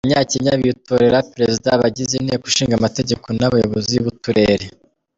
Abanyakenya bitorera perezida, abagize Inteko Ishinga Amategeko n’abayobozi b’uturere.